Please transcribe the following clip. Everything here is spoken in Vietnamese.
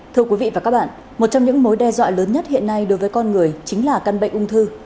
thưa quý vị và các bạn một trong những mối đe dọa lớn nhất hiện nay đối với con người chính là căn bệnh ung thư